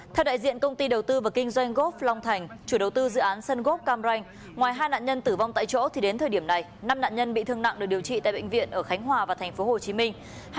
theo đại diện công ty đầu tư và kinh doanh gốc long thành chủ đầu tư dự án sân gốc cam ranh ngoài hai nạn nhân tử vong tại chỗ thì đến thời điểm này năm nạn nhân bị thương nặng được điều trị tại bệnh viện ở khánh hòa và thành phố hồ chí minh